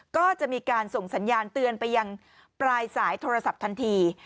ก็จะมีการส่งสัญญาณเตือนไปยังปลายสายโทรศัพท์ทันที